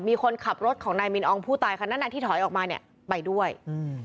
มีคนขับรถของนายมินอองผู้ตายค่ะนั่นน่ะที่ถอยออกมาเนี้ยไปด้วยอืม